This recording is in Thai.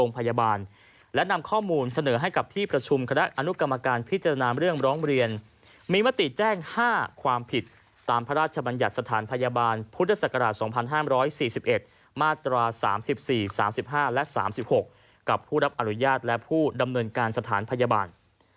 พยาบาลพุทธศักราช๒๕๔๑มาตรา๓๔๓๕และ๓๖กับผู้รับอนุญาตและผู้ดำเนินการสถานพยาบาล